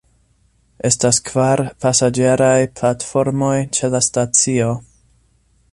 Estas kvar pasaĝeraj platformoj ĉe la stacio.